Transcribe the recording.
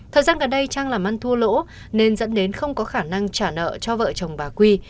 thời gian gần đây trang làm ăn thua lỗ nên dẫn đến không có khả năng trả nợ cho vợ chồng bà quy